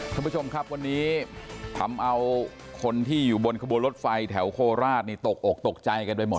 คุณผู้ชมครับวันนี้คำเอาคนที่อยู่บนคบรถไฟแถวโฆษณ์ลาดนี่ตกออกตกใจกันด้วยหมด